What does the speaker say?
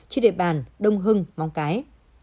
trên địa bàn đông hưng mong cái